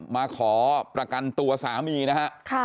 มาขอประกันตัวสามีนะฮะ